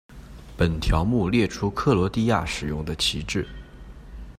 本条目列出克罗地亚使用的旗帜。